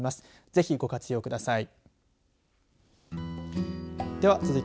ぜひご活用ください。